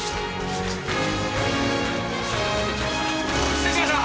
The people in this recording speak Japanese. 失礼しました！